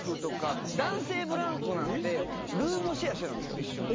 男性ブランコなんてルームシェアしてた一緒に。